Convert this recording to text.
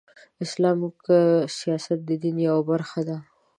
اسلام کې سیاست د دین یوه برخه ده .